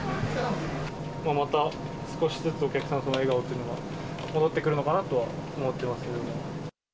また少しずつお客さんの笑顔というのが戻ってくるのかなとは思ってますけども。